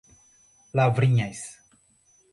Lavrinhas